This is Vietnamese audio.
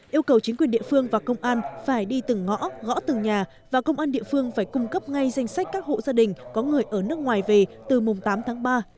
yêu cầu chính quyền địa phương và công an phải đi từng ngõ gõ từng nhà và công an địa phương phải cung cấp ngay danh sách các hộ gia đình có người ở nước ngoài về từ mùng tám tháng ba